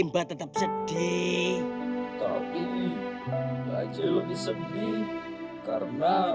mbak tetep sedih tapi aja lebih sedih karena